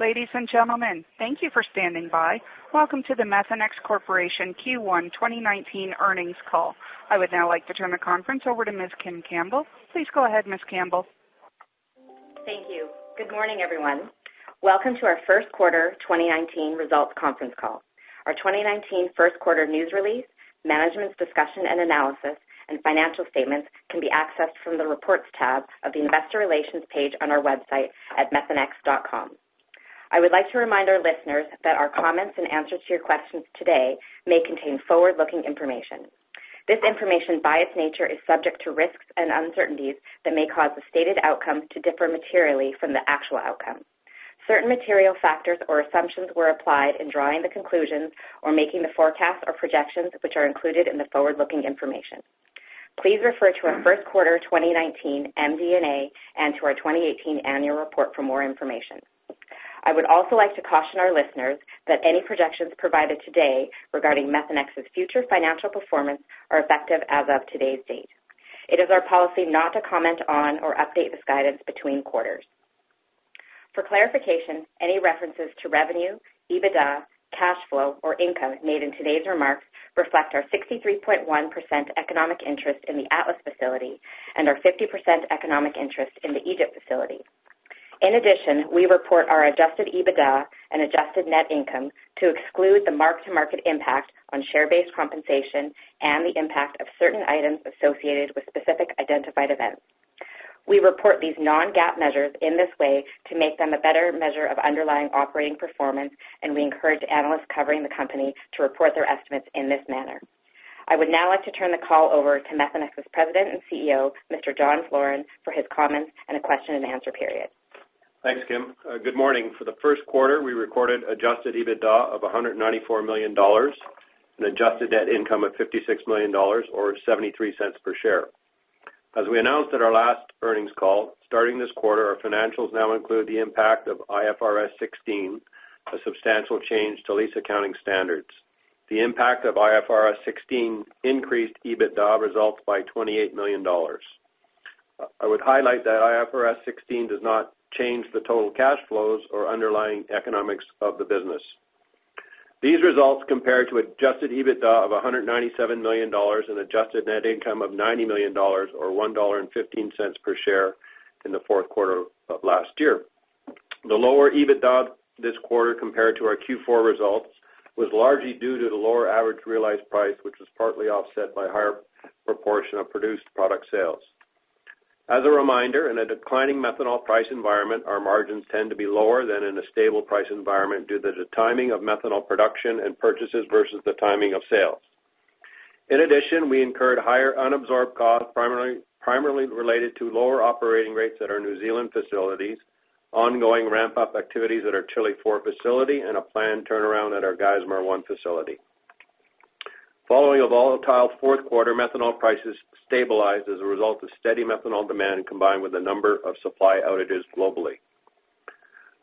Ladies and gentlemen, thank you for standing by. Welcome to the Methanex Corporation Q1 2019 earnings call. I would now like to turn the conference over to Ms. Kim Campbell. Please go ahead, Ms. Campbell. Thank you. Good morning, everyone. Welcome to our first quarter 2019 results conference call. Our 2019 first quarter news release, management's discussion and analysis, and financial statements can be accessed from the Reports tab of the Investor Relations page on our website at methanex.com. I would like to remind our listeners that our comments and answers to your questions today may contain forward-looking information. This information, by its nature, is subject to risks and uncertainties that may cause the stated outcomes to differ materially from the actual outcome. Certain material factors or assumptions were applied in drawing the conclusions or making the forecasts or projections, which are included in the forward-looking information. Please refer to our first quarter 2019 MD&A and to our 2018 annual report for more information. I would also like to caution our listeners that any projections provided today regarding Methanex's future financial performance are effective as of today's date. It is our policy not to comment on or update this guidance between quarters. For clarification, any references to revenue, EBITDA, cash flow, or income made in today's remarks reflect our 63.1% economic interest in the Atlas facility and our 50% economic interest in the Egypt facility. In addition, we report our adjusted EBITDA and adjusted net income to exclude the mark-to-market impact on share-based compensation and the impact of certain items associated with specific identified events. We report these non-GAAP measures in this way to make them a better measure of underlying operating performance. We encourage analysts covering the company to report their estimates in this manner. I would now like to turn the call over to Methanex's President and CEO, Mr. John Floren, for his comments and a question and answer period. Thanks, Kim. Good morning. For the first quarter, we recorded adjusted EBITDA of $194 million, an adjusted net income of $56 million, or $0.73 per share. As we announced at our last earnings call, starting this quarter, our financials now include the impact of IFRS 16, a substantial change to lease accounting standards. The impact of IFRS 16 increased EBITDA results by $28 million. I would highlight that IFRS 16 does not change the total cash flows or underlying economics of the business. These results compare to adjusted EBITDA of $197 million and adjusted net income of $90 million, or $1.15 per share in the fourth quarter of last year. The lower EBITDA this quarter compared to our Q4 results was largely due to the lower average realized price, which was partly offset by a higher proportion of produced product sales. As a reminder, in a declining methanol price environment, our margins tend to be lower than in a stable price environment due to the timing of methanol production and purchases versus the timing of sales. In addition, we incurred higher unabsorbed costs, primarily related to lower operating rates at our New Zealand facilities, ongoing ramp-up activities at our Chile Four facility, and a planned turnaround at our Geismar One facility. Following a volatile fourth quarter, methanol prices stabilized as a result of steady methanol demand, combined with a number of supply outages globally.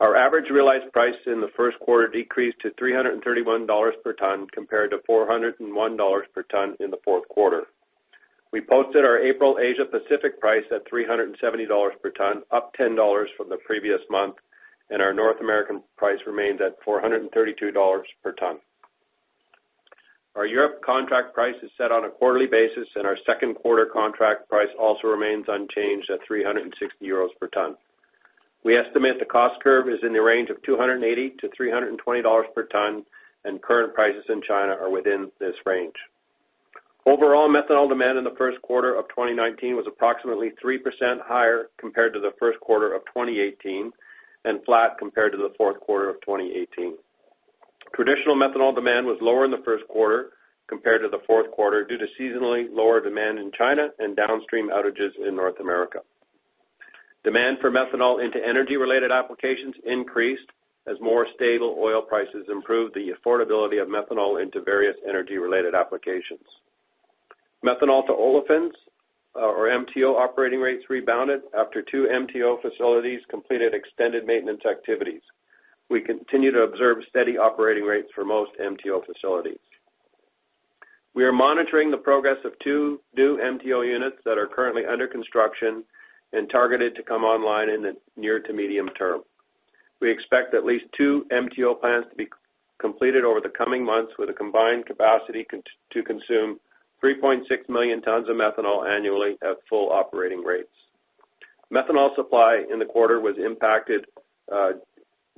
Our average realized price in the first quarter decreased to $331 per ton, compared to $401 per ton in the fourth quarter. We posted our April Asia Pacific price at $370 per ton, up $10 from the previous month, and our North American price remains at $432 per ton. Our Europe contract price is set on a quarterly basis, our second quarter contract price also remains unchanged at €360 per ton. We estimate the cost curve is in the range of $280-$320 per ton, current prices in China are within this range. Overall, methanol demand in the first quarter of 2019 was approximately 3% higher compared to the first quarter of 2018, flat compared to the fourth quarter of 2018. Traditional methanol demand was lower in the first quarter compared to the fourth quarter due to seasonally lower demand in China and downstream outages in North America. Demand for methanol into energy-related applications increased as more stable oil prices improved the affordability of methanol into various energy-related applications. Methanol to olefins, or MTO operating rates rebounded after two MTO facilities completed extended maintenance activities. We continue to observe steady operating rates for most MTO facilities. We are monitoring the progress of two new MTO units that are currently under construction and targeted to come online in the near to medium term. We expect at least two MTO plants to be completed over the coming months with a combined capacity to consume 3.6 million tons of methanol annually at full operating rates. Methanol supply in the quarter was impacted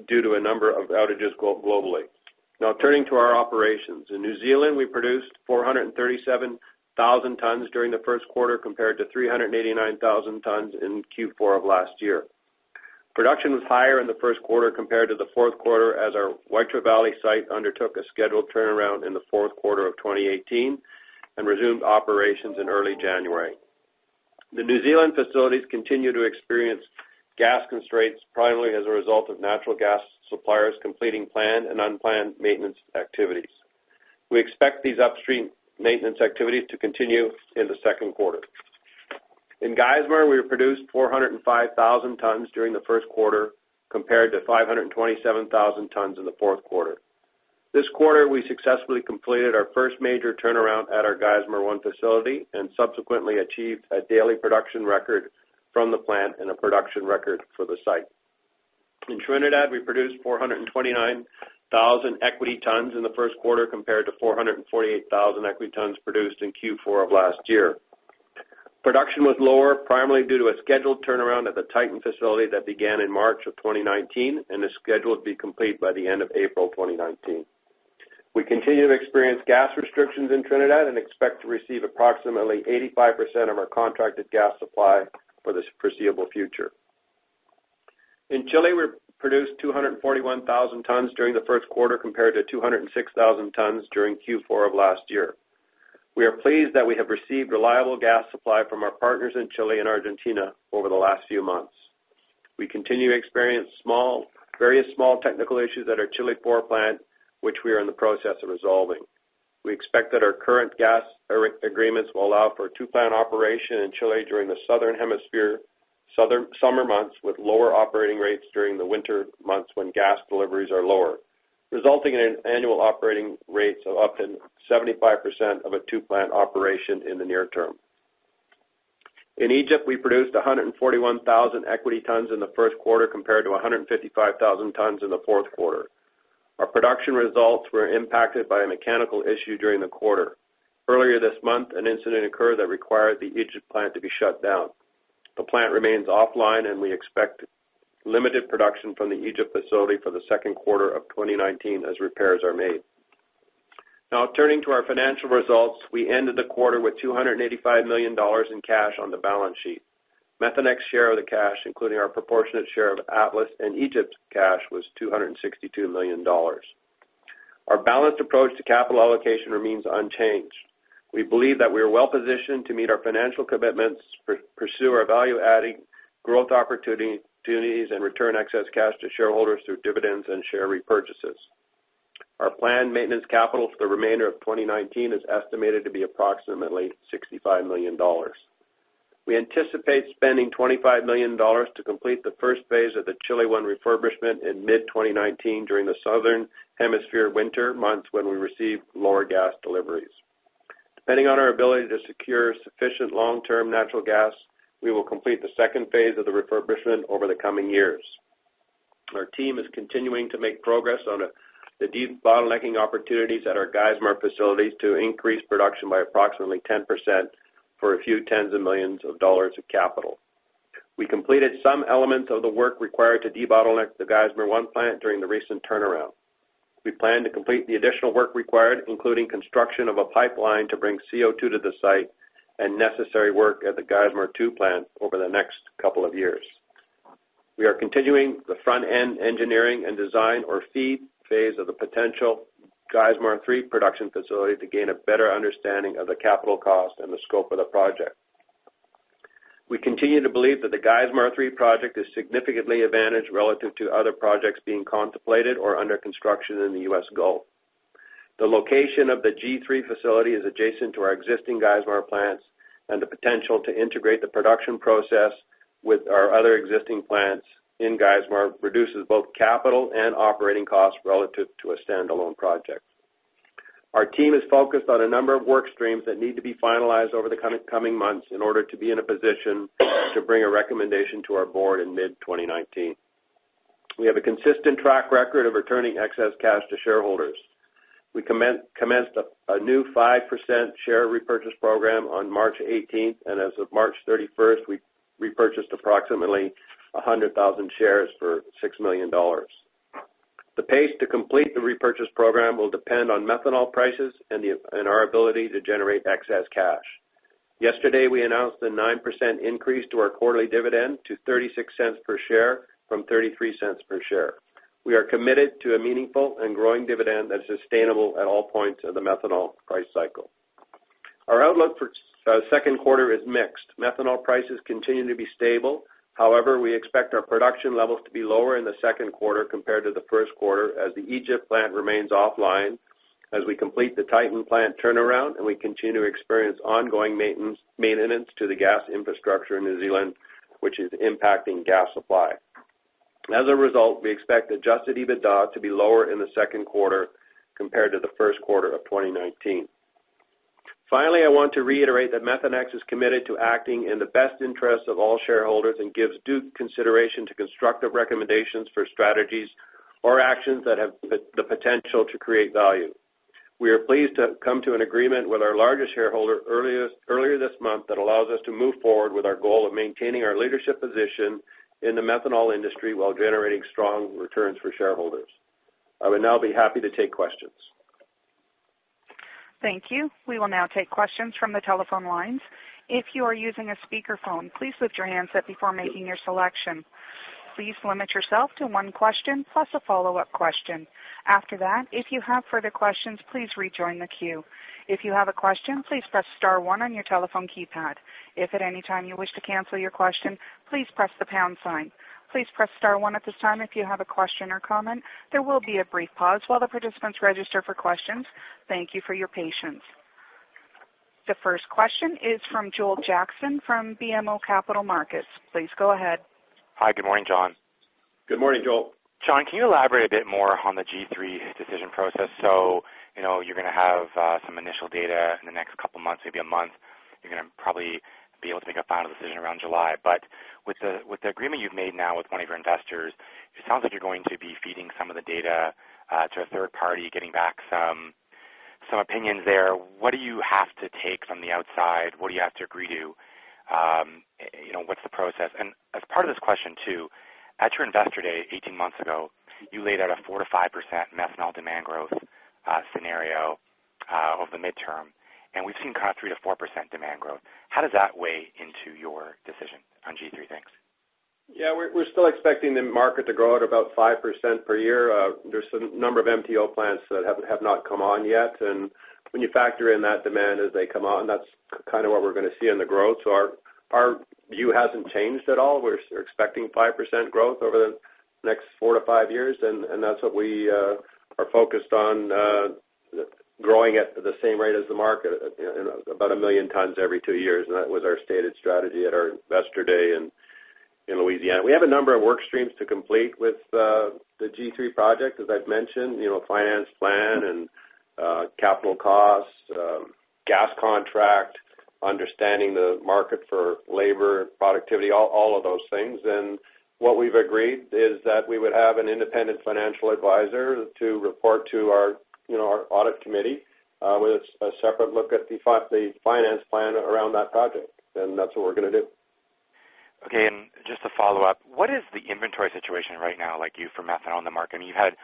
due to a number of outages globally. Now turning to our operations. In New Zealand, we produced 437,000 tons during the first quarter, compared to 389,000 tons in Q4 of last year. Production was higher in the first quarter compared to the fourth quarter, as our Waitara Valley site undertook a scheduled turnaround in the fourth quarter of 2018 and resumed operations in early January. The New Zealand facilities continue to experience gas constraints, primarily as a result of natural gas suppliers completing planned and unplanned maintenance activities. We expect these upstream maintenance activities to continue in the second quarter. In Geismar, we produced 405,000 tons during the first quarter, compared to 527,000 tons in the fourth quarter. This quarter, we successfully completed our first major turnaround at our Geismar 1 facility and subsequently achieved a daily production record from the plant and a production record for the site. In Trinidad, we produced 429,000 equity tons in the first quarter, compared to 448,000 equity tons produced in Q4 of last year. Production was lower, primarily due to a scheduled turnaround at the Titan facility that began in March of 2019 and is scheduled to be complete by the end of April 2019. We continue to experience gas restrictions in Trinidad and expect to receive approximately 85% of our contracted gas supply for the foreseeable future. In Chile, we produced 241,000 tons during the first quarter, compared to 206,000 tons during Q4 of last year. We are pleased that we have received reliable gas supply from our partners in Chile and Argentina over the last few months. We continue to experience various small technical issues at our Chile 4 plant, which we are in the process of resolving. We expect that our current gas agreements will allow for a two-plant operation in Chile during the Southern Hemisphere summer months with lower operating rates during the winter months when gas deliveries are lower, resulting in annual operating rates of up to 75% of a two-plant operation in the near term. In Egypt, we produced 141,000 equity tons in the first quarter, compared to 155,000 tons in the fourth quarter. Our production results were impacted by a mechanical issue during the quarter. Earlier this month, an incident occurred that required the Egypt plant to be shut down. The plant remains offline, and we expect limited production from the Egypt facility for the second quarter of 2019 as repairs are made. Turning to our financial results. We ended the quarter with $285 million in cash on the balance sheet. Methanex share of the cash, including our proportionate share of Atlas and Egypt's cash, was $262 million. Our balanced approach to capital allocation remains unchanged. We believe that we are well-positioned to meet our financial commitments, pursue our value-adding growth opportunities, and return excess cash to shareholders through dividends and share repurchases. Our planned maintenance capital for the remainder of 2019 is estimated to be approximately $65 million. We anticipate spending $25 million to complete the first phase of the Chile 1 refurbishment in mid-2019 during the Southern Hemisphere winter months when we receive lower gas deliveries. Depending on our ability to secure sufficient long-term natural gas, we will complete the second phase of the refurbishment over the coming years. Our team is continuing to make progress on the debottlenecking opportunities at our Geismar facilities to increase production by approximately 10% for a few tens of millions of dollars of capital. We completed some elements of the work required to debottleneck the Geismar 1 plant during the recent turnaround. We plan to complete the additional work required, including construction of a pipeline to bring CO2 to the site and necessary work at the Geismar 2 plant over the next couple of years. We are continuing the front-end engineering and design or FEED phase of the potential Geismar 3 production facility to gain a better understanding of the capital cost and the scope of the project. We continue to believe that the Geismar 3 project is significantly advantaged relative to other projects being contemplated or under construction in the U.S. Gulf. The location of the G3 facility is adjacent to our existing Geismar plants, and the potential to integrate the production process with our other existing plants in Geismar reduces both capital and operating costs relative to a standalone project. Our team is focused on a number of work streams that need to be finalized over the coming months in order to be in a position to bring a recommendation to our board in mid-2019. We have a consistent track record of returning excess cash to shareholders. We commenced a new 5% share repurchase program on March 18th. As of March 31st, we repurchased approximately 100,000 shares for $6 million. The pace to complete the repurchase program will depend on methanol prices and our ability to generate excess cash. Yesterday, we announced a 9% increase to our quarterly dividend to $0.36 per share from $0.33 per share. We are committed to a meaningful and growing dividend that's sustainable at all points of the methanol price cycle. Our outlook for second quarter is mixed. Methanol prices continue to be stable. We expect our production levels to be lower in the second quarter compared to the first quarter as the Egypt plant remains offline, as we complete the Titan plant turnaround, and we continue to experience ongoing maintenance to the gas infrastructure in New Zealand, which is impacting gas supply. As a result, we expect adjusted EBITDA to be lower in the second quarter compared to the first quarter of 2019. Finally, I want to reiterate that Methanex is committed to acting in the best interest of all shareholders and gives due consideration to constructive recommendations for strategies or actions that have the potential to create value. We are pleased to have come to an agreement with our largest shareholder earlier this month that allows us to move forward with our goal of maintaining our leadership position in the methanol industry while generating strong returns for shareholders. I would now be happy to take questions. Thank you. We will now take questions from the telephone lines. If you are using a speakerphone, please lift your handset before making your selection. Please limit yourself to one question plus a follow-up question. After that, if you have further questions, please rejoin the queue. If you have a question, please press star one on your telephone keypad. If at any time you wish to cancel your question, please press the pound sign. Please press star one at this time if you have a question or comment. There will be a brief pause while the participants register for questions. Thank you for your patience. The first question is from Joel Jackson from BMO Capital Markets. Please go ahead. Hi. Good morning, John. Good morning, Joel. John, can you elaborate a bit more on the G3 decision process? You're going to have some initial data in the next couple of months, maybe a month. You're going to probably be able to make a final decision around July. With the agreement you've made now with one of your investors, it sounds like you're going to be feeding some of the data to a third party, getting back some opinions there. What do you have to take from the outside? What do you have to agree to? What's the process? As part of this question, too, at your Investor Day 18 months ago, you laid out a 4%-5% methanol demand growth scenario over the midterm, and we've seen kind of 3%-4% demand growth. How does that weigh into your decision on G3? Thanks. We're still expecting the market to grow at about 5% per year. There's a number of MTO plants that have not come on yet. When you factor in that demand as they come on, that's kind of what we're going to see in the growth. Our view hasn't changed at all. We're expecting 5% growth over the next four to five years, and that's what we are focused on, growing at the same rate as the market, about 1 million tons every two years, and that was our stated strategy at our Investor Day in Louisiana. We have a number of work streams to complete with the G3 project, as I've mentioned, finance plan and capital costs, gas contract, understanding the market for labor, productivity, all of those things. What we've agreed is that we would have an independent financial advisor to report to our audit committee with a separate look at the finance plan around that project. That's what we're going to do. Just to follow up, what is the inventory situation right now like you for methanol on the market? I mean, you had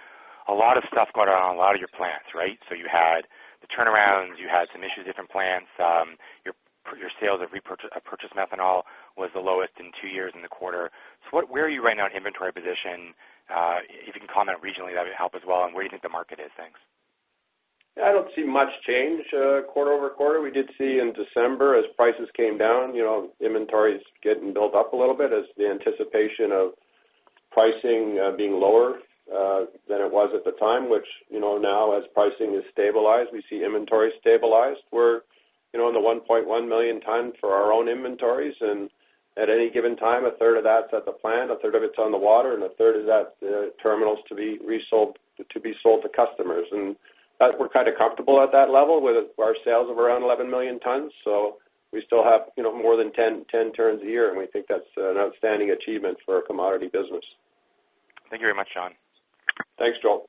a lot of stuff going on in a lot of your plants, right? You had the turnarounds, you had some issues, different plants. Your sales of repurchased methanol was the lowest in two years in the quarter. Where are you right now in inventory position? If you can comment regionally, that would help as well. Where do you think the market is? Thanks. I don't see much change quarter-over-quarter. We did see in December as prices came down, inventories getting built up a little bit as the anticipation of pricing being lower than it was at the time, which now as pricing has stabilized, we see inventory stabilized. We're in the 1.1 million tons for our own inventories, and at any given time, a third of that's at the plant, a third of it's on the water, and a third is at terminals to be sold to customers. We're kind of comfortable at that level with our sales of around 11 million tons. We still have more than 10 turns a year, and we think that's an outstanding achievement for a commodity business. Thank you very much, John. Thanks, Joel.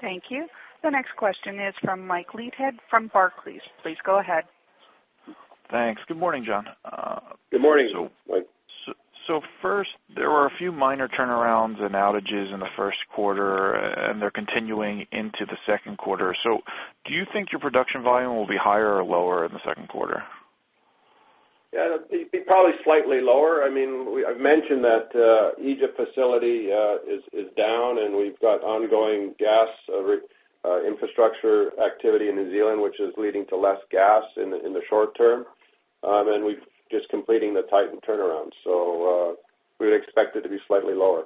Thank you. The next question is from Mike Leithead from Barclays. Please go ahead. Thanks. Good morning, John. Good morning, Mike. First, there were a few minor turnarounds and outages in the first quarter, and they're continuing into the second quarter. Do you think your production volume will be higher or lower in the second quarter? Yeah, it'd be probably slightly lower. I mean, I've mentioned that Egypt facility is down, and we've got ongoing gas infrastructure activity in New Zealand, which is leading to less gas in the short term. We're just completing the Titan turnaround. We would expect it to be slightly lower.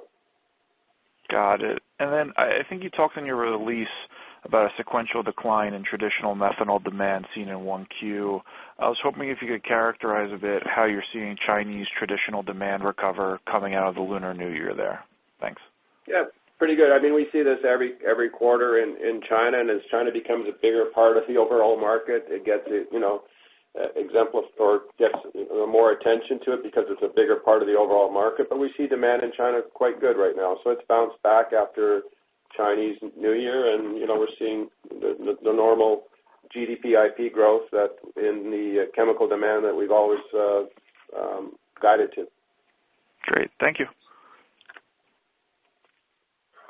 Got it. I think you talked in your release about a sequential decline in traditional methanol demand seen in 1Q. I was hoping if you could characterize a bit how you're seeing Chinese traditional demand recover coming out of the Lunar New Year there. Thanks. Yeah, pretty good. I mean, we see this every quarter in China, as China becomes a bigger part of the overall market, it gets more attention to it because it's a bigger part of the overall market. We see demand in China quite good right now. It's bounced back after Chinese New Year, and we're seeing the normal GDP IP growth in the chemical demand that we've always guided to. Great. Thank you.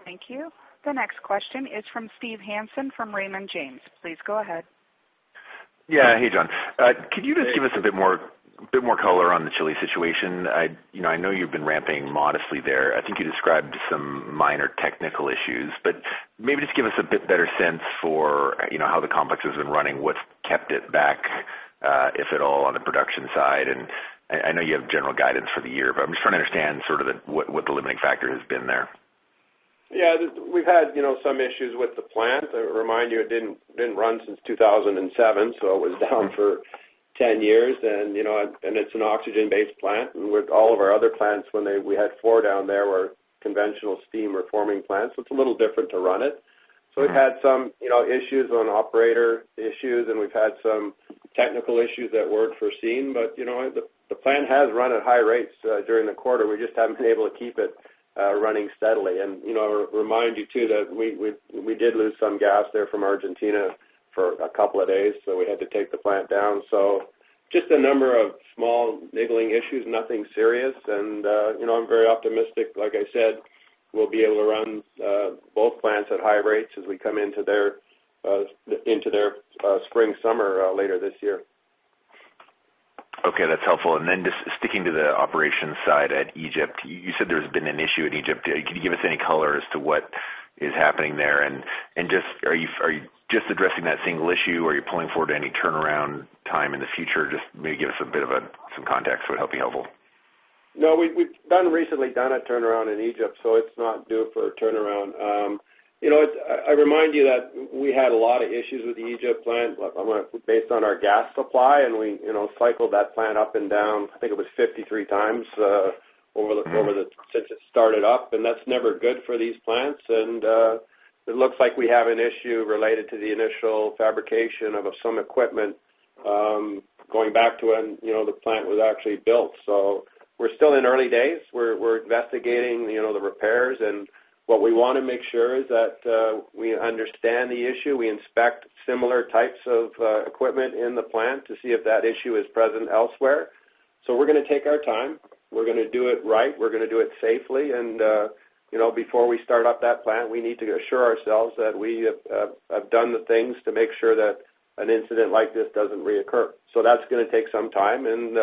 Thank you. The next question is from Steve Hansen from Raymond James. Please go ahead. Yeah. Hey, John. Hey. Could you just give us a bit more color on the Chile situation? I know you've been ramping modestly there. I think you described some minor technical issues, but maybe just give us a bit better sense for how the complex has been running, what's kept it back if at all on the production side. I know you have general guidance for the year, but I'm just trying to understand sort of what the limiting factor has been there. Yeah. We've had some issues with the plant. Remind you, it didn't run since 2007, so it was down for 10 years. It's an oxygen-based plant with all of our other plants, we had four down there were conventional steam reforming plants, so it's a little different to run it. We've had some issues on operator issues, and we've had some technical issues that weren't foreseen. The plant has run at high rates during the quarter. We just haven't been able to keep it running steadily. Remind you, too, that we did lose some gas there from Argentina for a couple of days, so we had to take the plant down. Just a number of small niggling issues, nothing serious. I'm very optimistic. Like I said, we'll be able to run both plants at high rates as we come into their spring, summer later this year. Okay. That's helpful. Just sticking to the operations side at Egypt, you said there's been an issue in Egypt. Can you give us any color as to what is happening there? Are you just addressing that single issue, or are you pulling forward any turnaround time in the future? Just maybe give us a bit of some context. That would be helpful. No, we've recently done a turnaround in Egypt, so it's not due for a turnaround. I remind you that we had a lot of issues with the Egypt plant based on our gas supply, and we cycled that plant up and down, I think it was 53 times since it started up, and that's never good for these plants. It looks like we have an issue related to the initial fabrication of some equipment, going back to when the plant was actually built. We're still in early days. We're investigating the repairs. What we want to make sure is that we understand the issue. We inspect similar types of equipment in the plant to see if that issue is present elsewhere. We're going to take our time. We're going to do it right. We're going to do it safely. Before we start up that plant, we need to assure ourselves that we have done the things to make sure that an incident like this doesn't reoccur. That's going to take some time, and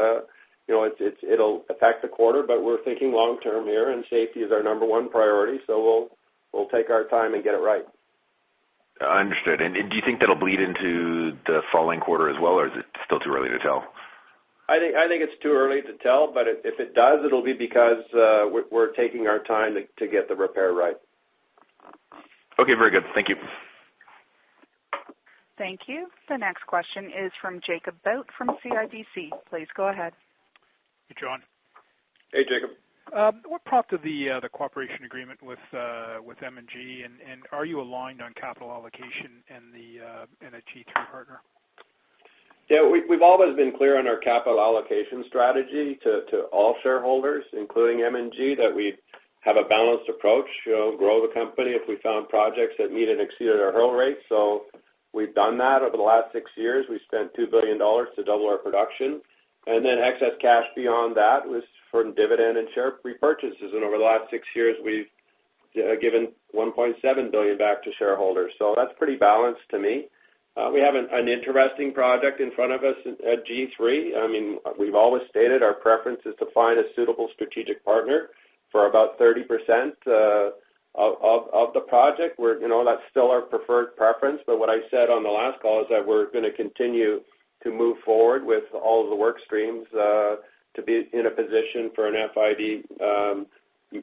it'll affect the quarter, but we're thinking long term here, and safety is our number one priority. We'll take our time and get it right. Understood. Do you think that'll bleed into the following quarter as well, or is it still too early to tell? I think it's too early to tell, but if it does, it'll be because we're taking our time to get the repair right. Okay. Very good. Thank you. Thank you. The next question is from Jacob Bout from CIBC. Please go ahead. Hey, John. Hey, Jacob. What part of the cooperation agreement with M&G, and are you aligned on capital allocation in a G3 partner? Yeah. We've always been clear on our capital allocation strategy to all shareholders, including M&G, that we have a balanced approach. Grow the company if we found projects that meet and exceed our hurdle rates. We've done that over the last six years. We've spent $2 billion to double our production, and then excess cash beyond that was from dividend and share repurchases. Over the last six years, we've given $1.7 billion back to shareholders, so that's pretty balanced to me. We have an interesting project in front of us at G3. We've always stated our preference is to find a suitable strategic partner for about 30% of the project. That's still our preferred preference, but what I said on the last call is that we're going to continue to move forward with all of the work streams to be in a position for an FID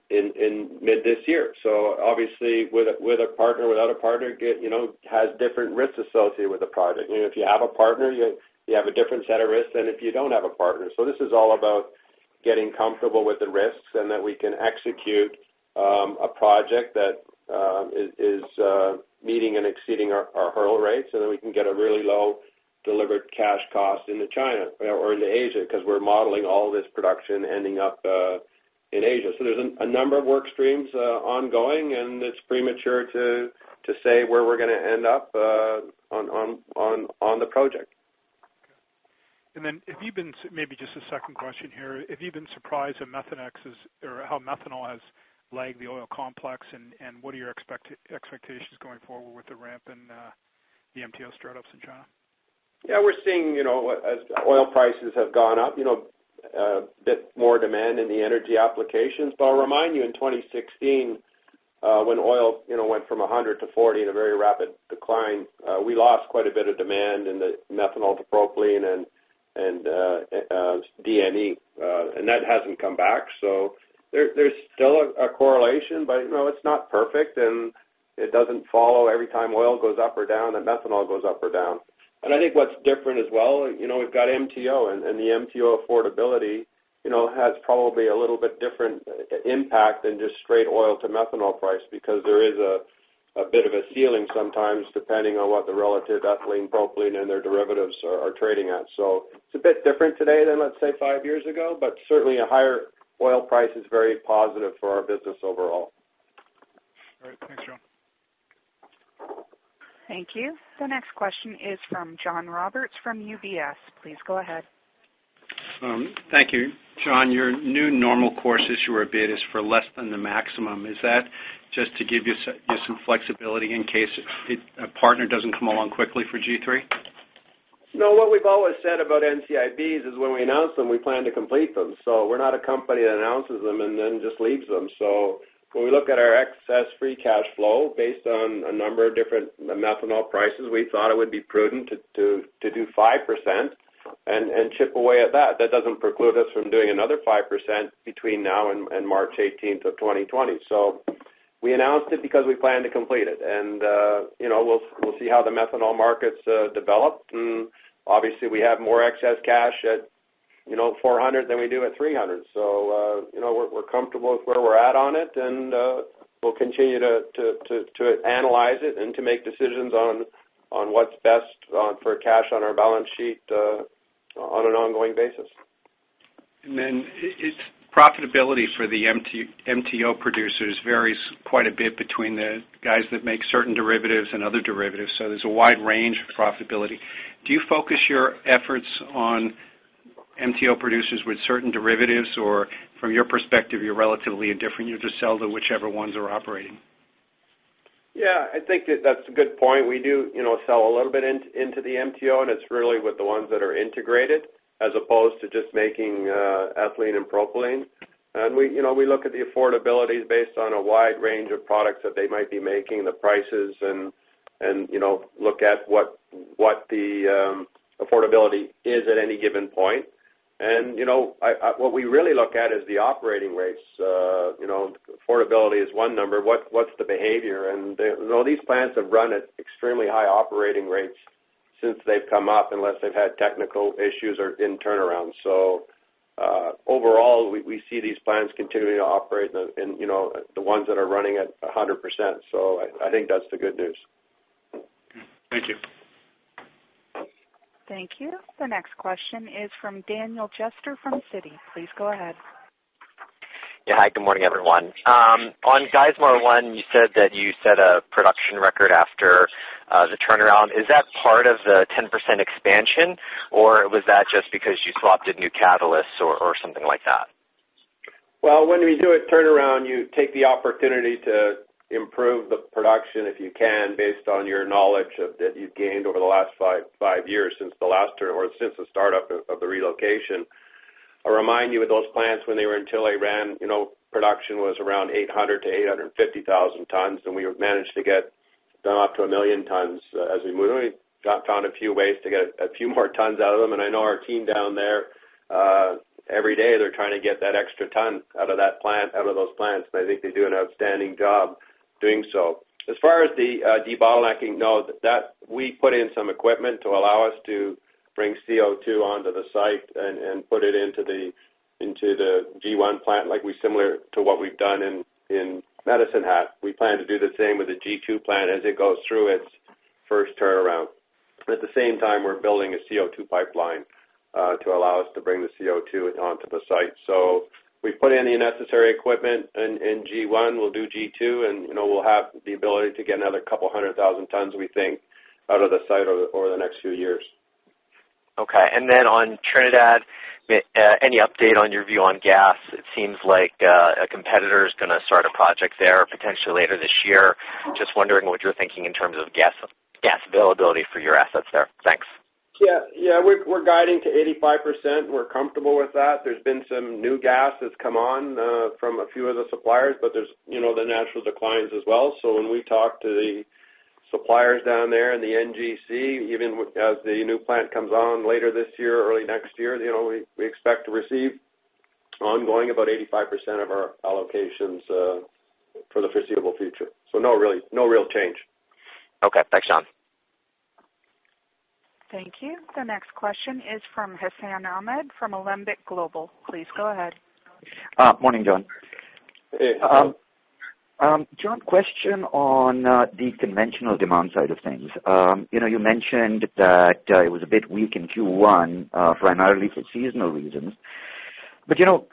in mid this year. Obviously, with a partner, without a partner, has different risks associated with the project. If you have a partner, you have a different set of risks than if you don't have a partner. This is all about getting comfortable with the risks and that we can execute a project that is meeting and exceeding our hurdle rates so that we can get a really low delivered cash cost into China or into Asia because we're modeling all this production ending up in Asia. There's a number of work streams ongoing, and it's premature to say where we're going to end up on the project. Okay. Then maybe just a second question here. Have you been surprised at how methanol has lagged the oil complex, and what are your expectations going forward with the ramp in the MTO startups in China? Yeah, we're seeing, as oil prices have gone up, a bit more demand in the energy applications. I'll remind you, in 2016, when oil went from 100 to 40 in a very rapid decline, we lost quite a bit of demand in the methanol to propylene and DME, and that hasn't come back. There's still a correlation, but it's not perfect, and it doesn't follow every time oil goes up or down, that methanol goes up or down. I think what's different as well, we've got MTO, and the MTO affordability has probably a little bit different impact than just straight oil to methanol price because there is a bit of a ceiling sometimes depending on what the relative ethylene, propylene, and their derivatives are trading at. It's a bit different today than, let's say, five years ago, but certainly a higher oil price is very positive for our business overall. All right. Thanks, John. Thank you. The next question is from John Roberts from UBS. Please go ahead. Thank you. John, your new normal course issuer bid is for less than the maximum. Is that just to give you some flexibility in case a partner doesn't come along quickly for G3? No. What we've always said about NCIBs is when we announce them, we plan to complete them. We're not a company that announces them and then just leaves them. When we look at our excess free cash flow based on a number of different methanol prices, we thought it would be prudent to do 5% and chip away at that. That doesn't preclude us from doing another 5% between now and March 18, 2020. We announced it because we plan to complete it. We'll see how the methanol markets develop. Obviously, we have more excess cash at $400 than we do at $300. We're comfortable with where we're at on it, and we'll continue to analyze it and to make decisions on what's best for cash on our balance sheet on an ongoing basis. Profitability for the MTO producers varies quite a bit between the guys that make certain derivatives and other derivatives, there's a wide range of profitability. Do you focus your efforts on MTO producers with certain derivatives, or from your perspective, you're relatively indifferent, you just sell to whichever ones are operating? Yeah, I think that's a good point. We do sell a little bit into the MTO, and it's really with the ones that are integrated as opposed to just making ethylene and propylene. We look at the affordability based on a wide range of products that they might be making, the prices, and look at what the affordability is at any given point. What we really look at is the operating rates. Affordability is one number. What's the behavior? These plants have run at extremely high operating rates since they've come up, unless they've had technical issues or in turnaround. Overall, we see these plants continuing to operate, the ones that are running at 100%. I think that's the good news. Thank you. Thank you. The next question is from Daniel Jester from Citi. Please go ahead. Yeah. Hi, good morning, everyone. On Geismar One, you said that you set a production record after the turnaround. Is that part of the 10% expansion, or was that just because you swapped in new catalysts or something like that? Well, when we do a turnaround, you take the opportunity to improve the production if you can, based on your knowledge that you've gained over the last five years since the startup of the relocation. I'll remind you of those plants when they were in Chile ran, production was around 800,000 tons-850,000 tons, and we managed to get them up to a million tons as we moved. We found a few ways to get a few more tons out of them, and I know our team down there, every day, they're trying to get that extra ton out of those plants, and I think they do an outstanding job doing so. As far as the de-bottlenecking, no. We put in some equipment to allow us to bring CO2 onto the site and put it into the G1 plant, similar to what we've done in Medicine Hat. We plan to do the same with the G2 plant as it goes through its first turnaround. At the same time, we're building a CO2 pipeline to allow us to bring the CO2 onto the site. We've put in the necessary equipment in G1. We'll do G2, and we'll have the ability to get another couple hundred thousand tons, we think, out of the site over the next few years. Okay. On Trinidad, any update on your view on gas? It seems like a competitor is going to start a project there potentially later this year. Just wondering what you're thinking in terms of gas availability for your assets there. Thanks. Yeah. We're guiding to 85%. We're comfortable with that. There's been some new gas that's come on from a few of the suppliers, there's the natural declines as well. When we talk to the suppliers down there and the NGC, even as the new plant comes on later this year, early next year, we expect to receive ongoing about 85% of our allocations for the foreseeable future. No real change. Okay. Thanks, John. Thank you. The next question is from Hassan Ahmed from Alembic Global. Please go ahead. Morning, John. Hey. John, question on the conventional demand side of things. You mentioned that it was a bit weak in Q1, primarily for seasonal reasons.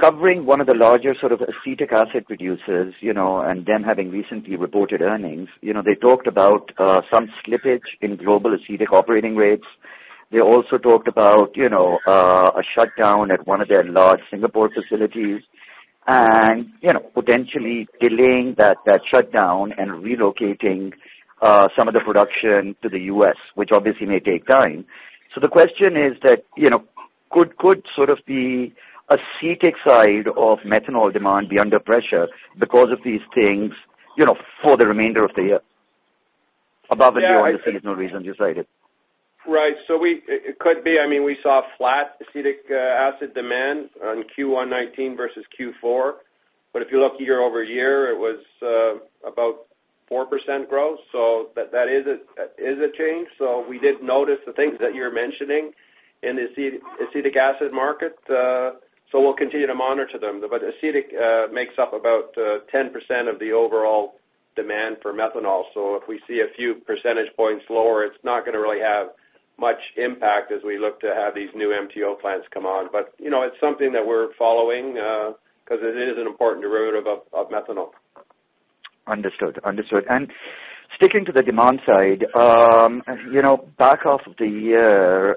Covering one of the larger acetic acid producers, and them having recently reported earnings, they talked about some slippage in global acetic operating rates. They also talked about a shutdown at one of their large Singapore facilities and potentially delaying that shutdown and relocating some of the production to the U.S., which obviously may take time. The question is that, could sort of the acetic side of methanol demand be under pressure because of these things for the remainder of the year above the new seasonal reasons you cited? Right. It could be. We saw flat acetic acid demand on Q1 2019 versus Q4. If you look year-over-year, it was about 4% growth. That is a change. We did notice the things that you're mentioning in the acetic acid market. We'll continue to monitor them. Acetic makes up about 10% of the overall demand for methanol. If we see a few percentage points lower, it's not going to really have much impact as we look to have these new MTO plants come on. It's something that we're following because it is an important derivative of methanol. Understood. Sticking to the demand side, back half of the year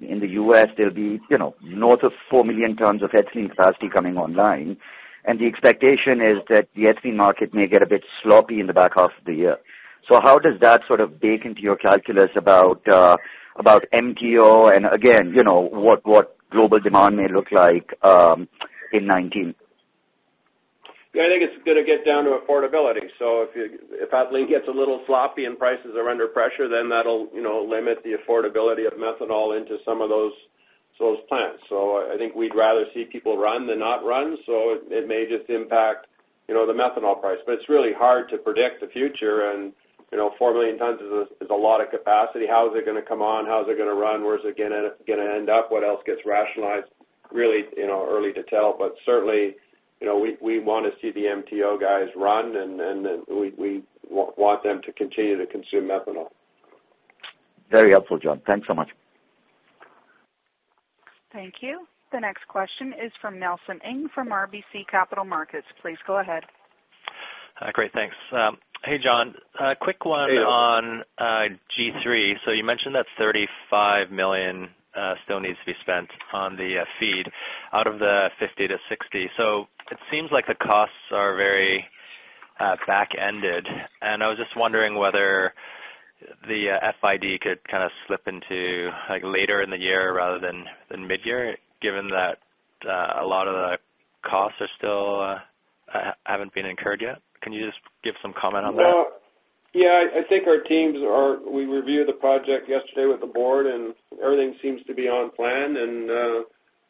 in the U.S., there'll be north of 4 million tons of ethylene capacity coming online, and the expectation is that the ethylene market may get a bit sloppy in the back half of the year. How does that sort of bake into your calculus about MTO and again what global demand may look like in 2019? I think it's going to get down to affordability. If ethylene gets a little sloppy and prices are under pressure, then that'll limit the affordability of methanol into some of those plants. I think we'd rather see people run than not run. It may just impact the methanol price, but it's really hard to predict the future. 4 million tons is a lot of capacity. How is it going to come on? How is it going to run? Where is it going to end up? What else gets rationalized? Really early to tell, but certainly, we want to see the MTO guys run, and we want them to continue to consume methanol. Very helpful, John. Thanks so much. Thank you. The next question is from Nelson Ng from RBC Capital Markets. Please go ahead. Great. Thanks. Hey, John. A quick one. Hey. on G3. You mentioned that $35 million still needs to be spent on the FEED out of the $50 million-$60 million. It seems like the costs are very back-ended. I was just wondering whether the FID could kind of slip into later in the year rather than mid-year, given that a lot of the costs still haven't been incurred yet. Can you just give some comment on that? Yeah, I think we reviewed the project yesterday with the board, everything seems to be on plan.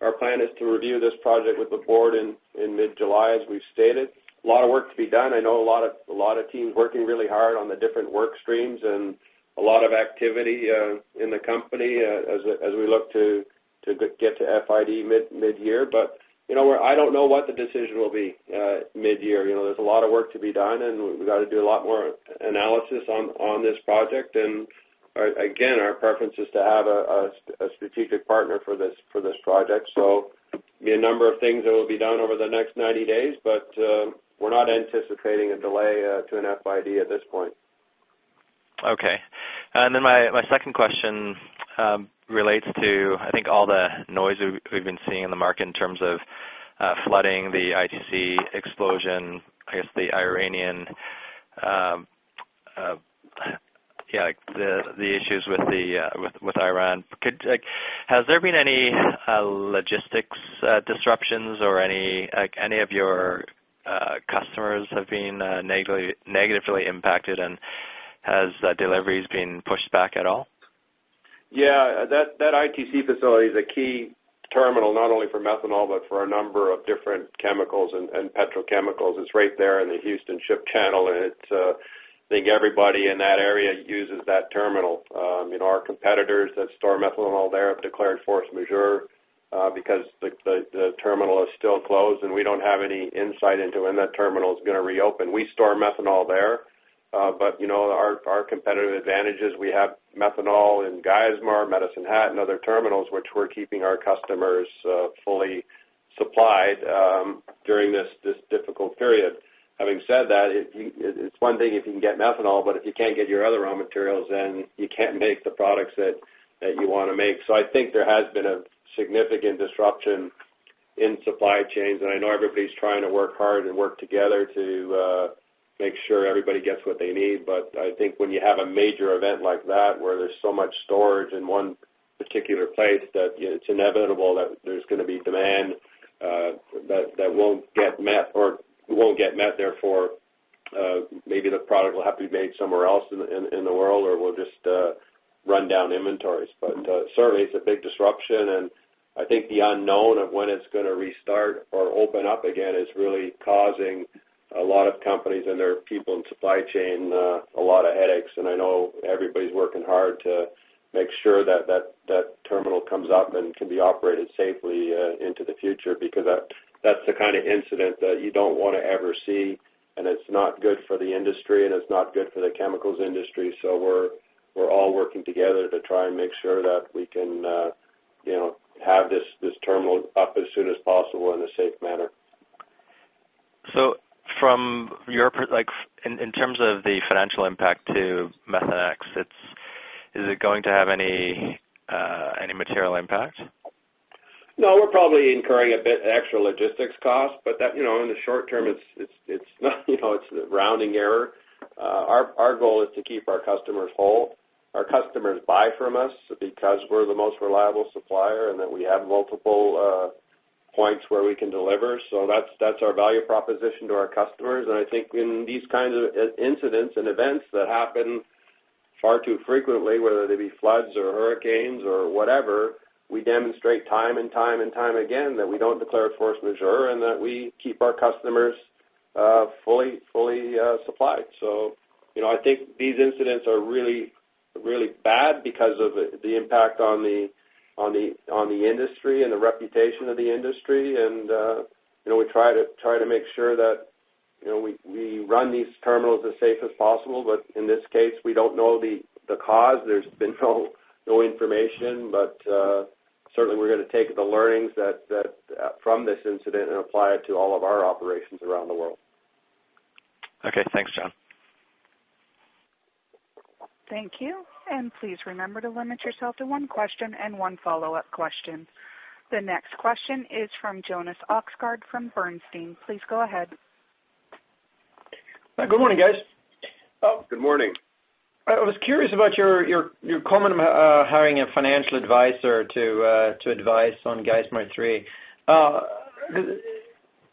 Our plan is to review this project with the board in mid-July, as we've stated. A lot of work to be done. I know a lot of teams working really hard on the different work streams, a lot of activity in the company as we look to get to FID mid-year. I don't know what the decision will be mid-year. There's a lot of work to be done, we've got to do a lot more analysis on this project. Again, our preference is to have a strategic partner for this project. Be a number of things that will be done over the next 90 days, we're not anticipating a delay to an FID at this point. Okay. Then my second question relates to, I think, all the noise we've been seeing in the market in terms of flooding the ITC explosion, I guess the issues with Iran. Has there been any logistics disruptions or any of your customers have been negatively impacted, has deliveries been pushed back at all? Yeah, that ITC facility is a key terminal, not only for methanol, but for a number of different chemicals and petrochemicals. It's right there in the Houston Ship Channel, and I think everybody in that area uses that terminal. Our competitors that store methanol there have declared force majeure, because the terminal is still closed, and we don't have any insight into when that terminal is going to reopen. We store methanol there. Our competitive advantage is we have methanol in Geismar, Medicine Hat, and other terminals, which we're keeping our customers fully supplied during this difficult period. Having said that, it's one thing if you can get methanol, but if you can't get your other raw materials, you can't make the products that you want to make. I think there has been a significant disruption in supply chains, and I know everybody's trying to work hard and work together to make sure everybody gets what they need. I think when you have a major event like that, where there's so much storage in one particular place, that it's inevitable that there's going to be demand that won't get met, therefore, maybe the product will have to be made somewhere else in the world, or we'll just run down inventories. Certainly, it's a big disruption, and I think the unknown of when it's going to restart or open up again is really causing a lot of companies and their people in supply chain a lot of headaches. I know everybody's working hard to make sure that terminal comes up and can be operated safely into the future, because that's the kind of incident that you don't want to ever see, and it's not good for the industry, and it's not good for the chemicals industry. We're all working together to try and make sure that we can have this terminal up as soon as possible in a safe manner. In terms of the financial impact to Methanex, is it going to have any material impact? We're probably incurring a bit extra logistics cost. In the short term, it's a rounding error. Our goal is to keep our customers whole. Our customers buy from us because we're the most reliable supplier and that we have multiple points where we can deliver. That's our value proposition to our customers. I think in these kinds of incidents and events that happen far too frequently, whether they be floods or hurricanes or whatever, we demonstrate time and time and time again that we don't declare force majeure and that we keep our customers fully supplied. I think these incidents are really bad because of the impact on the industry and the reputation of the industry. We try to make sure that we run these terminals as safe as possible. In this case, we don't know the cause. There's been no information. Certainly, we're going to take the learnings from this incident and apply it to all of our operations around the world. Thanks, John. Thank you. Please remember to limit yourself to one question and one follow-up question. The next question is from Jonas Oxgaard from Bernstein. Please go ahead. Good morning, guys. Good morning. I was curious about your comment about hiring a financial advisor to advise on Geismar 3.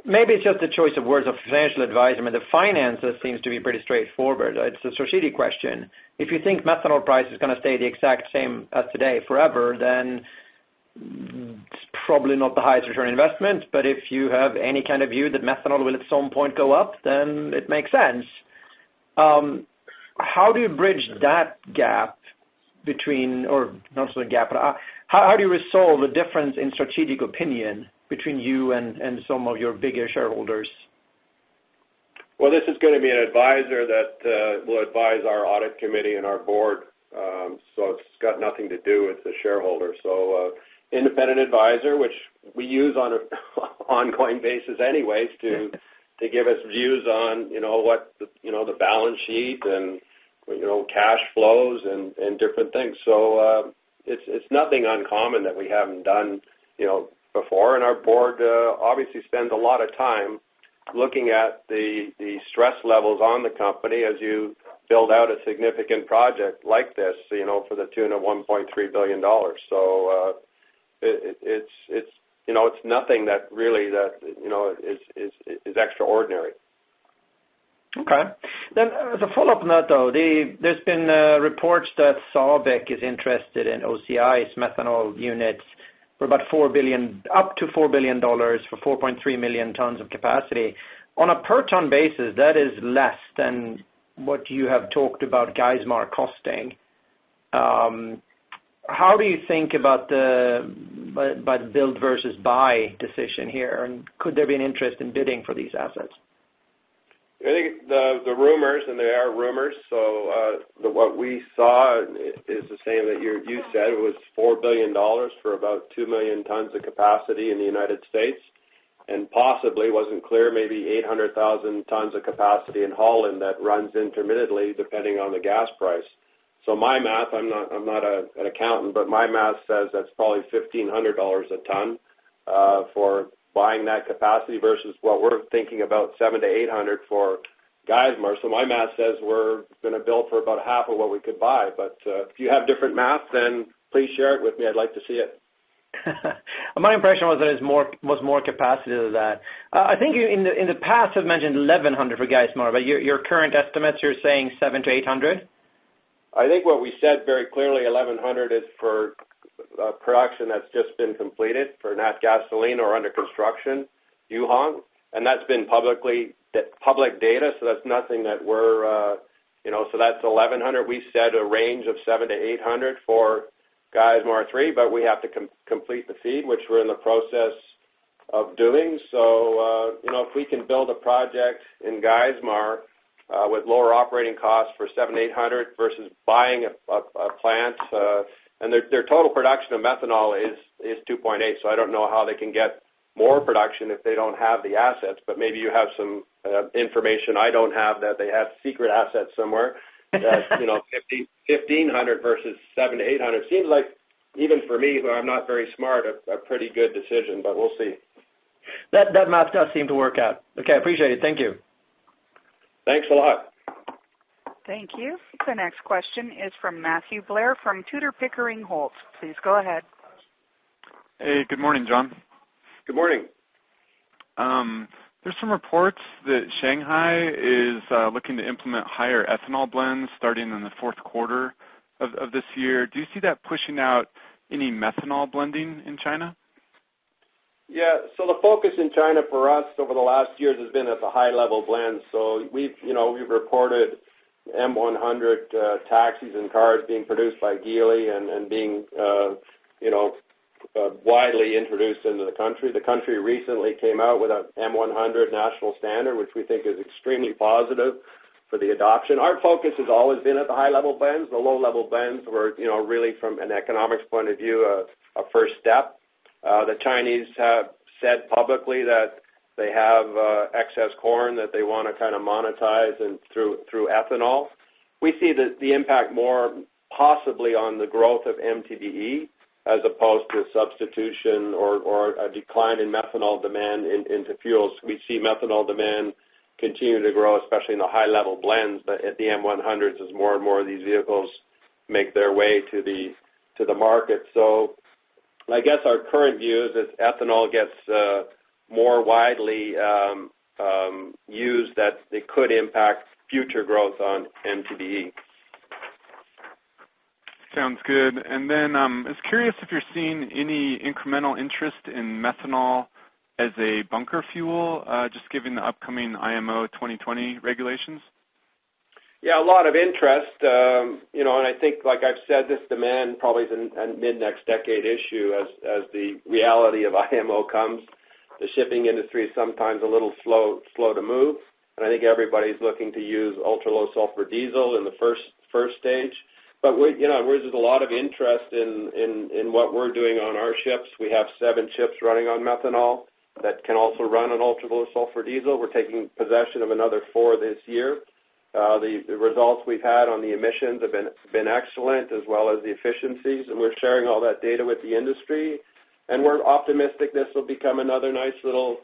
Maybe it's just the choice of words of financial advisement. The finances seems to be pretty straightforward. It's a strategic question. If you think methanol price is going to stay the exact same as today forever, then it's probably not the highest return on investment. If you have any kind of view that methanol will at some point go up, then it makes sense. How do you bridge that gap, or not necessarily a gap. How do you resolve the difference in strategic opinion between you and some of your bigger shareholders? Well, this is going to be an advisor that will advise our audit committee and our board. It's got nothing to do with the shareholders. Independent advisor, which we use on an ongoing basis anyways to give us views on the balance sheet and cash flows and different things. It's nothing uncommon that we haven't done before. Our board obviously spends a lot of time looking at the stress levels on the company as you build out a significant project like this for the tune of $1.3 billion. It's nothing that really is extraordinary. Okay. As a follow-up note, though, there's been reports that Sabic is interested in OCI's methanol units for up to $4 billion for 4.3 million tons of capacity. On a per ton basis, that is less than what you have talked about Geismar costing. How do you think about the build versus buy decision here, and could there be an interest in bidding for these assets? I think the rumors, and they are rumors, what we saw is the same that you said, was $4 billion for about 2 million tons of capacity in the U.S., and possibly, it wasn't clear, maybe 800,000 tons of capacity in Holland that runs intermittently depending on the gas price. My math, I'm not an accountant, but my math says that's probably $1,500 a ton for buying that capacity versus what we're thinking about $700 to $800 for Geismar. My math says we're going to build for about half of what we could buy. If you have different math, then please share it with me. I'd like to see it. My impression was that it was more capacity than that. I think you, in the past, have mentioned $1,100 for Geismar, your current estimates, you're saying $700 to $800? I think what we said very clearly, $1,100 is for production that's just been completed for Natgasoline or under construction, Yuhuang, that's been public data, that's $1,100. We said a range of $700 to $800 for Geismar 3, we have to complete the FEED, which we're in the process of doing. If we can build a project in Geismar with lower operating costs for $700 to $800 versus buying a plant. Their total production of methanol is 2.8, I don't know how they can get more production if they don't have the assets. Maybe you have some information I don't have that they have secret assets somewhere. That $1,500 versus $700 to $800 seems like, even for me, who I'm not very smart, a pretty good decision, we'll see. That math does seem to work out. Okay, appreciate it. Thank you. Thanks a lot. Thank you. The next question is from Matthew Blair from Tudor, Pickering, Holt. Please go ahead. Hey. Good morning, John. Good morning. There's some reports that Shanghai is looking to implement higher ethanol blends starting in the fourth quarter of this year. Do you see that pushing out any methanol blending in China? The focus in China for us over the last years has been at the high-level blends. We've reported M100 taxis and cars being produced by Geely and being widely introduced into the country. The country recently came out with an M100 national standard, which we think is extremely positive for the adoption. Our focus has always been at the high-level blends. The low-level blends were, really from an economics point of view, a first step. The Chinese have said publicly that they have excess corn that they want to monetize through ethanol. We see the impact more possibly on the growth of MTBE as opposed to a substitution or a decline in methanol demand into fuels. We see methanol demand continue to grow, especially in the high-level blends, but at the M100s, as more and more of these vehicles make their way to the market. I guess our current view is as ethanol gets more widely used, that it could impact future growth on MTBE. Sounds good. Then, I was curious if you're seeing any incremental interest in methanol as a bunker fuel, just given the upcoming IMO 2020 regulations. Yeah, a lot of interest. I think, like I've said, this demand probably is a mid-next decade issue as the reality of IMO comes. The shipping industry is sometimes a little slow to move, and I think everybody's looking to use ultra-low sulfur diesel in the 1 stage. There's a lot of interest in what we're doing on our ships. We have seven ships running on methanol that can also run on ultra-low sulfur diesel. We're taking possession of another four this year. The results we've had on the emissions have been excellent, as well as the efficiencies, and we're sharing all that data with the industry, and we're optimistic this will become another nice little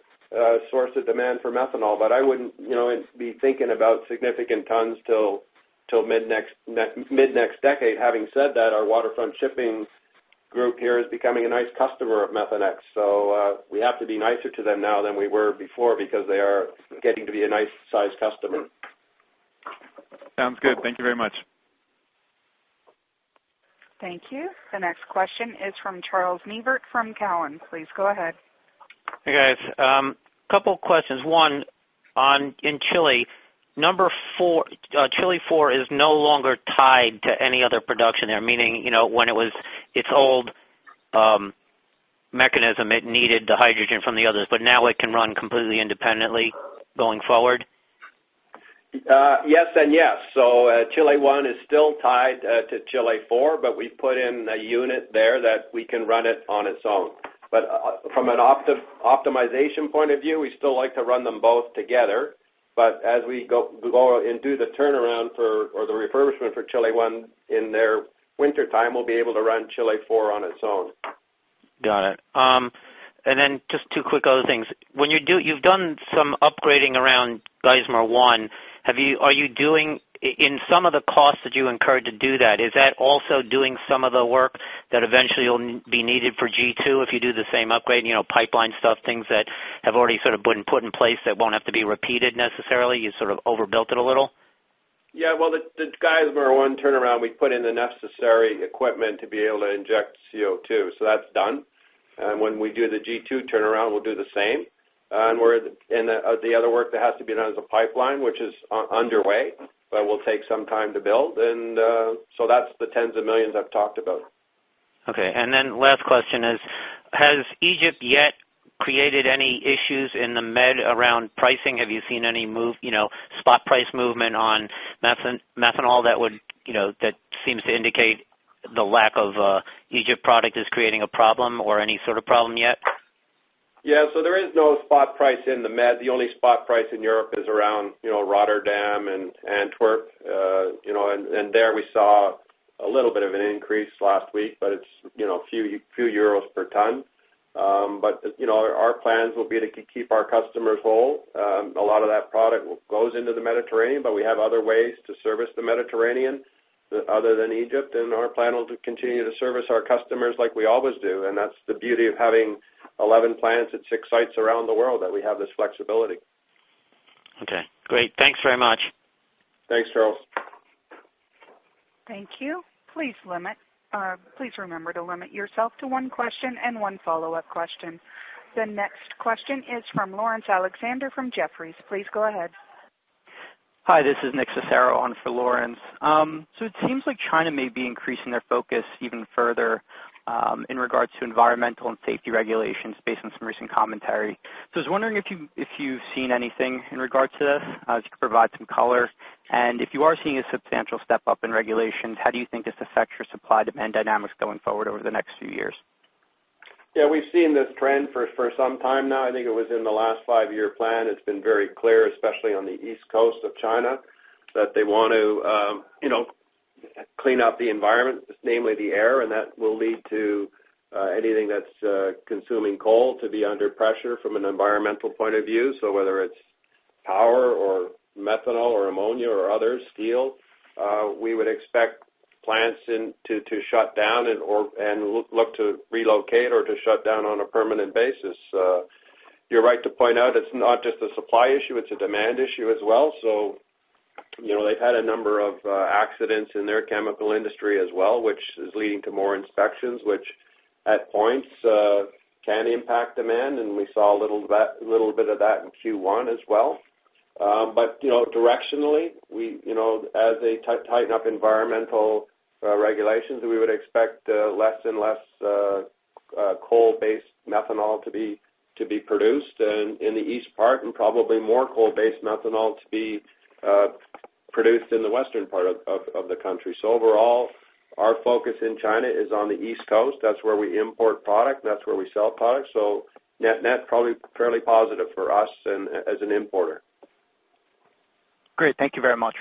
source of demand for methanol. I wouldn't be thinking about significant tons till mid-next decade. Having said that, our Waterfront Shipping group here is becoming a nice customer of Methanex. We have to be nicer to them now than we were before because they are getting to be a nice size customer. Sounds good. Thank you very much. Thank you. The next question is from Charles Neivert from Cowen. Please go ahead. Hey, guys. Couple questions. One, in Chile 4 is no longer tied to any other production there? Meaning, when it was its old mechanism, it needed the hydrogen from the others, but now it can run completely independently going forward? Yes and yes. Chile 1 is still tied to Chile 4, we've put in a unit there that we can run it on its own. From an optimization point of view, we still like to run them both together. As we go and do the turnaround or the refurbishment for Chile 1 in their wintertime, we'll be able to run Chile 4 on its own. Got it. Then just two quick other things. You've done some upgrading around Geismar 1. In some of the costs that you incurred to do that, is that also doing some of the work that eventually will be needed for G2 if you do the same upgrade, pipeline stuff, things that have already sort of been put in place that won't have to be repeated necessarily, you sort of overbuilt it a little? Yeah. Well, the Geismar 1 turnaround, we put in the necessary equipment to be able to inject CO2. That's done. When we do the G2 turnaround, we'll do the same. The other work that has to be done is a pipeline, which is underway, but will take some time to build. That's the tens of millions I've talked about. Okay. Last question is, has Egypt yet created any issues in the Med around pricing? Have you seen any spot price movement on methanol that seems to indicate the lack of Egypt product is creating a problem or any sort of problem yet? Yeah. There is no spot price in the Med. The only spot price in Europe is around Rotterdam and Antwerp. There we saw a little bit of an increase last week, but it's a few EUR per ton. Our plans will be to keep our customers whole. A lot of that product goes into the Mediterranean, but we have other ways to service the Mediterranean other than Egypt, and our plan will continue to service our customers like we always do. That's the beauty of having 11 plants at six sites around the world, that we have this flexibility. Okay, great. Thanks very much. Thanks, Charles. Thank you. Please remember to limit yourself to one question and one follow-up question. The next question is from Laurence Alexander from Jefferies. Please go ahead. Hi, this is Nicholas Cecero on for Laurence. It seems like China may be increasing their focus even further, in regards to environmental and safety regulations based on some recent commentary. I was wondering if you've seen anything in regards to this, as you could provide some color. If you are seeing a substantial step up in regulations, how do you think this affects your supply demand dynamics going forward over the next few years? We've seen this trend for some time now. I think it was in the last five-year plan. It's been very clear, especially on the east coast of China, that they want to clean up the environment, namely the air, and that will lead to anything that's consuming coal to be under pressure from an environmental point of view. Whether it's power or methanol or ammonia or other, steel, we would expect plants to shut down and look to relocate or to shut down on a permanent basis. You're right to point out it's not just a supply issue, it's a demand issue as well. They've had a number of accidents in their chemical industry as well, which is leading to more inspections, which at points, can impact demand, and we saw a little bit of that in Q1 as well. Directionally, as they tighten up environmental regulations, we would expect less and less coal-based methanol to be produced in the east part and probably more coal-based methanol to be produced in the western part of the country. Overall, our focus in China is on the east coast. That's where we import product, that's where we sell product. Net-net, probably fairly positive for us as an importer. Great. Thank you very much.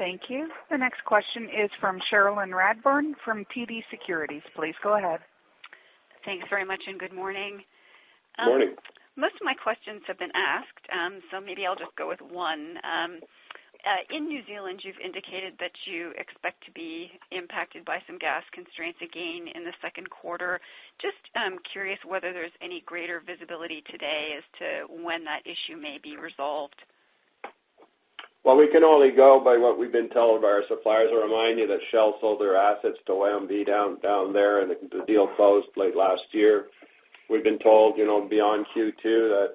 Thanks. Thank you. The next question is from Cherilyn Radbourne from TD Securities. Please go ahead. Thanks very much, good morning. Morning. Most of my questions have been asked, maybe I'll just go with one. In New Zealand, you've indicated that you expect to be impacted by some gas constraints again in the second quarter. Just curious whether there's any greater visibility today as to when that issue may be resolved. We can only go by what we've been told by our suppliers. I remind you that Shell sold their assets to OMV down there, the deal closed late last year. We've been told beyond Q2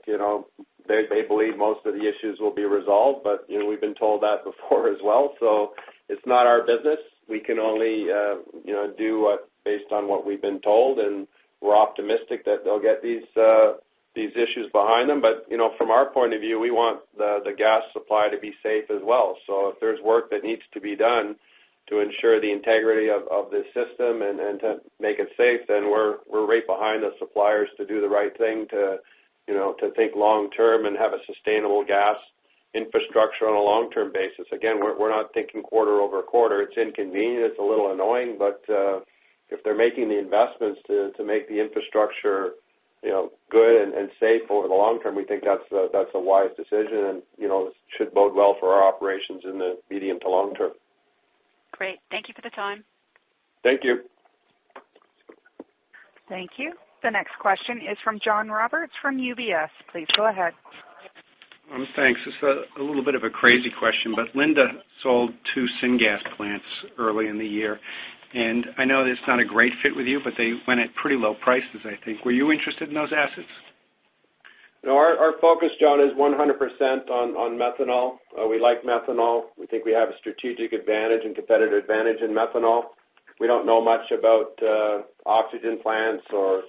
that they believe most of the issues will be resolved, we've been told that before as well, it's not our business. We can only do based on what we've been told, and we're optimistic that they'll get these issues behind them. From our point of view, we want the gas supply to be safe as well. If there's work that needs to be done to ensure the integrity of this system and to make it safe, we're right behind the suppliers to do the right thing to think long-term and have a sustainable gas infrastructure on a long-term basis. Again, we're not thinking quarter-over-quarter. It's inconvenient, it's a little annoying. If they're making the investments to make the infrastructure good and safe over the long term, we think that's a wise decision, and it should bode well for our operations in the medium to long term. Great. Thank you for the time. Thank you. Thank you. The next question is from John Roberts from UBS. Please go ahead. Thanks. This is a little bit of a crazy question, but Linde sold two syngas plants early in the year, and I know it's not a great fit with you, but they went at pretty low prices, I think. Were you interested in those assets? No, our focus, John, is 100% on methanol. We like methanol. We think we have a strategic advantage and competitive advantage in methanol. We don't know much about oxygen plants or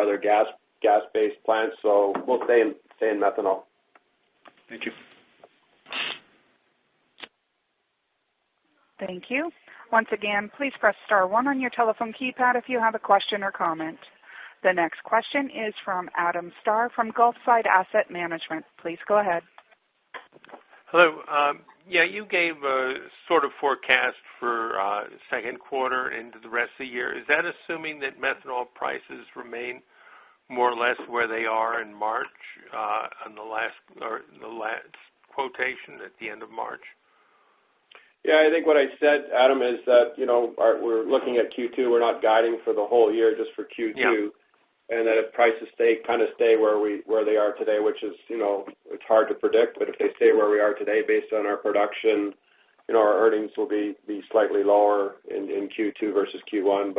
other gas-based plants. We'll stay in methanol. Thank you. Thank you. Once again, please press star one on your telephone keypad if you have a question or comment. The next question is from Adam Starr from Gulfside Asset Management. Please go ahead. Hello. You gave a sort of forecast for second quarter into the rest of the year. Is that assuming that methanol prices remain more or less where they are in March, on the last quotation at the end of March? Yeah. I think what I said, Adam, is that we're looking at Q2. We're not guiding for the whole year, just for Q2. Yeah. If prices stay where they are today, which is hard to predict. If they stay where we are today based on our production, our earnings will be slightly lower in Q2 versus Q1.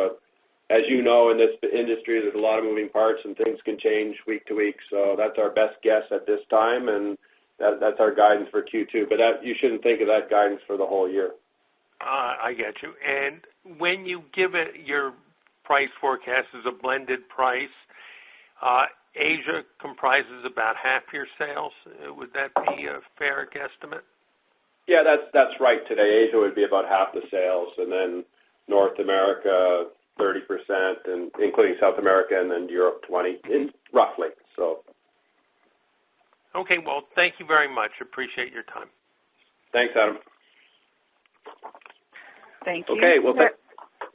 As you know, in this industry, there's a lot of moving parts, and things can change week to week. That's our best guess at this time, and that's our guidance for Q2. You shouldn't think of that guidance for the whole year. I get you. When you give it your price forecast as a blended price, Asia comprises about half your sales. Would that be a fair guesstimate? Yeah, that's right. Today, Asia would be about half the sales, and then North America, 30%, including South America, and then Europe, 20%, roughly. Okay. Well, thank you very much. Appreciate your time. Thanks, Adam. Thank you. Okay. Well.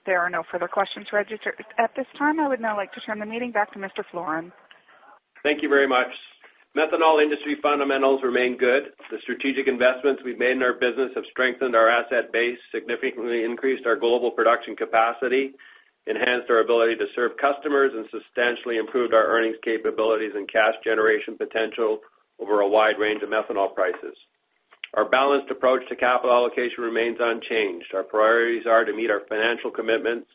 There are no further questions registered at this time. I would now like to turn the meeting back to Mr. Floren. Thank you very much. Methanol industry fundamentals remain good. The strategic investments we've made in our business have strengthened our asset base, significantly increased our global production capacity, enhanced our ability to serve customers, and substantially improved our earnings capabilities and cash generation potential over a wide range of methanol prices. Our balanced approach to capital allocation remains unchanged. Our priorities are to meet our financial commitments,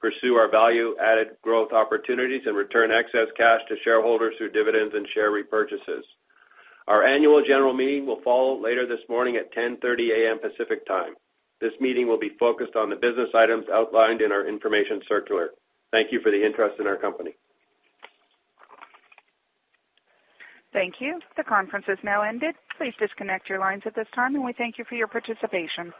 pursue our value-added growth opportunities, and return excess cash to shareholders through dividends and share repurchases. Our annual general meeting will follow later this morning at 10:30 A.M. Pacific Time. This meeting will be focused on the business items outlined in our information circular. Thank you for the interest in our company. Thank you. The conference has now ended. Please disconnect your lines at this time, and we thank you for your participation.